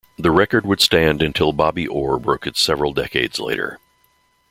The record would stand until Bobby Orr broke it several decades later.